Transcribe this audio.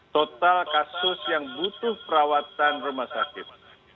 total kasus yang butuh perawatan rumah sakit